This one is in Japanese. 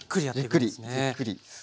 じっくりじっくり。